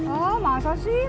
oh masa sih